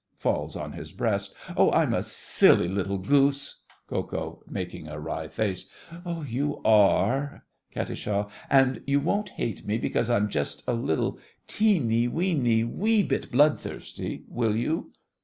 (Falls on his breast.) Oh, I'm a silly little goose! KO. (making a wry face). You are! KAT. And you won't hate me because I'm just a little teeny weeny wee bit bloodthirsty, will you?